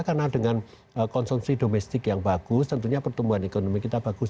karena dengan konsumsi domestik yang bagus tentunya pertumbuhan ekonomi kita bagus